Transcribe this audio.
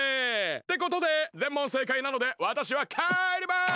ってことで全問正解なのでわたしはかえります！